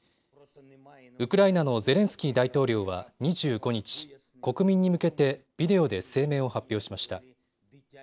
ウクライナのゼレンスキー大統領は２５日、国民に向けてビデオで声明を発表しました。